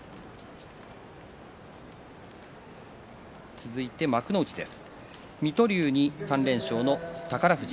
続いて明日の幕内です。